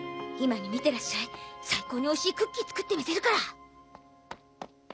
今に見てらっしゃい最高に美味しいクッキー作って見せるから